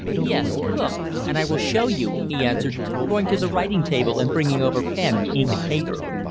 "Yes. Look, and I will show you," he answered, going to the writing table and bringing over pen, ink and paper.